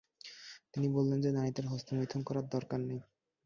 তিনি বলেন যে নারীদের হস্তমৈথুন করার দরকার নেই।